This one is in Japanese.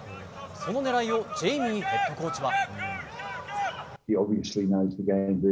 その狙いをジェイミーヘッドコーチは。